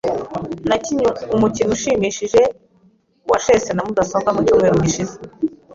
Nakinnye umukino ushimishije wa chess na mudasobwa mucyumweru gishize.